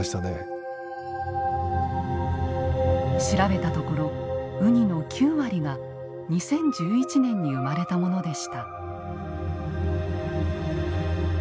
調べたところウニの９割が２０１１年に生まれたものでした。